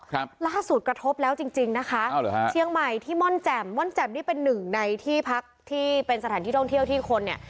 ครับล่าสุดกระทบแล้วจริงจริงนะคะเอาเหรอฮะเชียงใหม่ที่ม่อนแจ่มม่อนแจ่มนี่เป็นหนึ่งในที่พักที่เป็นสถานที่ท่องเที่ยวที่คนเนี่ย